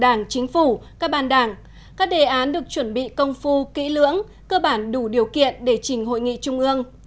đảng chính phủ các ban đảng các đề án được chuẩn bị công phu kỹ lưỡng cơ bản đủ điều kiện để trình hội nghị trung ương